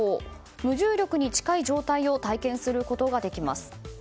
無重力に近い状態を体験することができます。